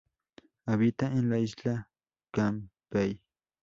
Habita en la Isla Campbell.